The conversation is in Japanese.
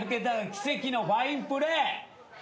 奇跡のファインプレー。